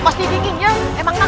padri juga ada saat kan mantan